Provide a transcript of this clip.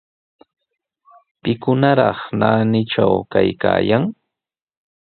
¿Pikunataq naanitraw kaykaayan?